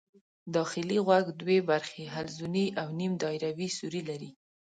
داخلي غوږ دوې برخې حلزوني او نیم دایروي سوري لري.